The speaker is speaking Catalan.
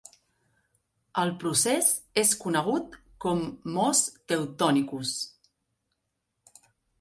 El procés és conegut com mos Teutonicus.